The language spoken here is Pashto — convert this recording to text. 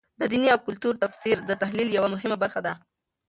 د دیني او کلتور تفسیر د تحلیل یوه مهمه برخه ده.